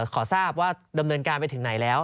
ขอทราบว่าดำเนินการไปถึงไหนแล้ว